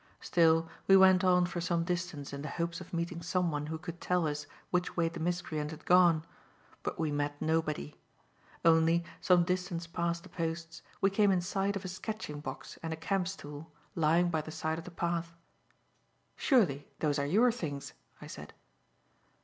Still we went on for some distance in the hopes of meeting someone who could tell us which way the miscreant had gone. But we met nobody. Only, some distance past the posts, we came in sight of a sketching box and a camp stool, lying by the side of the path. "Surely those are your things?" I said.